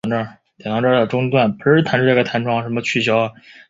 英国唱片业协会是英国唱片工业的行业协会。